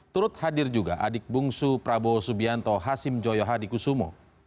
turut hadir juga adik bungsu prabowo subianto hasim joyo hadi kusumo